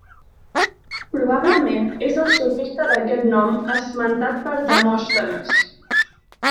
Probablement és el sofista d'aquest nom esmentat per Demòstenes.